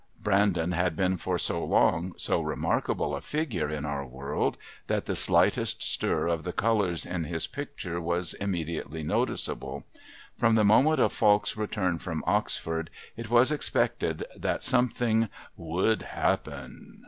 Brandon had been for so long so remarkable a figure in our world that the slightest stir of the colours in his picture was immediately noticeable. From the moment of Falk's return from Oxford it was expected that something "would happen."